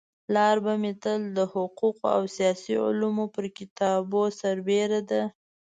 پلار به مي تل د حقوقو او سياسي علومو پر كتابو سربيره د